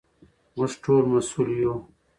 موږ ټول مسوول یو.